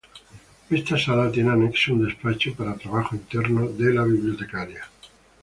Esta Sala tiene anexo un despacho para trabajo interno de la bibliotecaria.